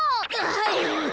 はい。